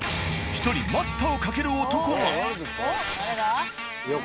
１人待ったをかける男が。